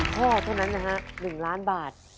ข้อเท่านั้นนะฮะ๑ล้านบาท